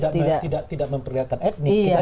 tidak memperlihatkan etnik